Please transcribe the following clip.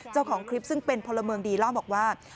เจ้าของคลิปซึ่งเป็นพลเมืองดีเล่าบอกว่า